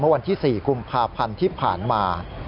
วันที่๔กุมภาพันธ์ที่ผ่านมา